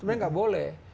tapi kan nggak boleh